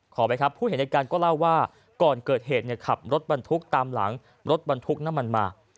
ไปครับผู้เห็นในการก็เล่าว่าก่อนเกิดเหตุขับรถบรรทุกตามหลังรถบรรทุกน้ำมันมา